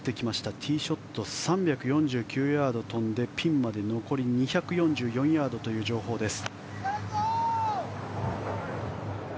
ティーショットが３４９ヤード飛んでピンまで残り２４４ヤードという情報です。